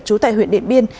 trú tại huyện điện biên